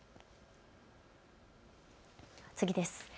次です。